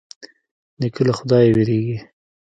نیکه له خدايه وېرېږي.